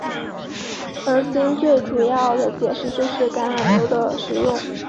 而现今最主要的解释就是橄榄油的使用。